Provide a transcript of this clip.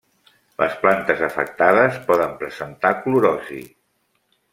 Les plantes afectades poden presentar clorosi.